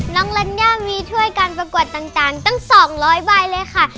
น้องรัญญามีท่วยการประกวดต่างตั้ง๒๐๐บาทเลยค่ะ